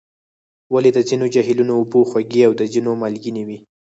ولې د ځینو جهیلونو اوبه خوږې او د ځینو مالګینې وي؟